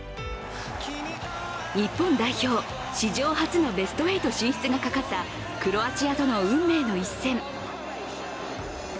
日本代表、史上初のベスト８進出がかかったクロアチアとの運命の一戦。